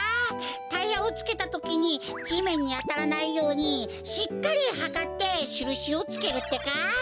タイヤをつけたときにじめんにあたらないようにしっかりはかってしるしをつけるってか。